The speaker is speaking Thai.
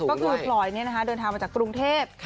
ก็คือพลอยเดินทางมาจากกรุงเทพ